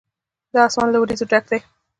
دا آسمان له وريځو ډک دی.